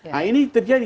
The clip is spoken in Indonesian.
nah ini terjadi